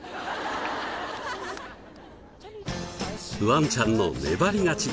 ワンちゃんの粘り勝ち！